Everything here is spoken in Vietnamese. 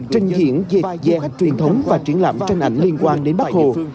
trình diễn dệt dạng truyền thống và triển lãm tranh ảnh liên quan đến bác hồ